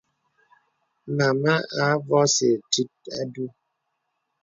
Màma à avɔ̄sì tit a du.